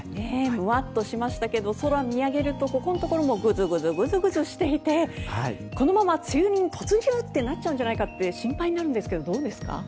むわっとしましたけど空を見上げるとここのところもグズグズしていてこのまま梅雨に突入ってなるんじゃないかと心配になるんですがどうですか？